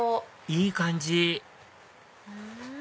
いい感じ！